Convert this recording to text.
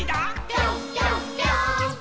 「ピョンピョンピョーンって！」